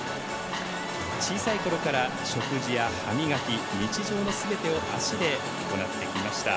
小さいころから食事や歯磨き日常のすべてを足で行ってきました。